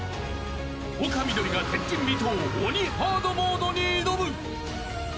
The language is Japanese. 丘みどりが前人未到鬼ハードモードに挑む。